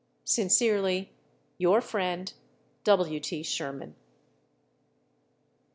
Sincerely your friend, W. T. SHERMAN.